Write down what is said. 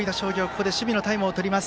ここで守備のタイムをとります。